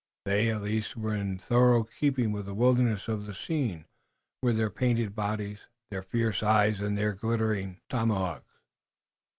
They, at least, were in thorough keeping with the wildness of the scene, with their painted bodies, their fierce eyes and their glittering tomahawks.